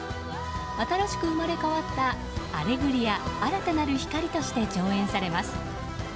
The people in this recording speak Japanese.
新しく生まれ変わった「アレグリア‐新たなる光‐」として上演されます。